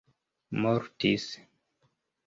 mortis